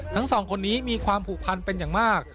ทั้งสองคนนี้มีความผูกพันเป็นอย่างมาก